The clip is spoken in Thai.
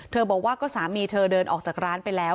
บอกว่าก็สามีเธอเดินออกจากร้านไปแล้ว